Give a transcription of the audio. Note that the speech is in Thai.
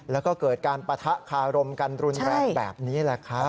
แล้วก็เกิดการปะทะคารมกันรุนแรงแบบนี้แหละครับ